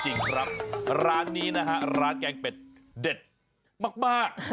จริงครับร้านนี้นะฮะร้านแกงเป็ดเด็ดมาก